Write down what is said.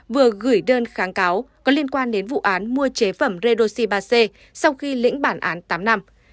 vừa gửi đơn kháng cáo có liên quan đến vụ án mua chế phẩm redoxi ba c sau khi lĩnh bản án tám năm